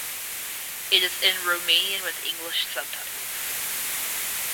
It is in Romanian with English subtitles.